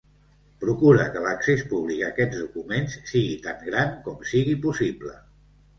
Procura que l'accés públic a aquests documents sigui tan gran com sigui possible.